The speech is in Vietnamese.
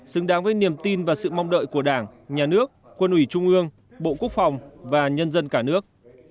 xứng đáng với niềm tin và sự mong đợi của đảng nhà nước quân ủy trung ương bộ quốc phòng và nhân dân cả nước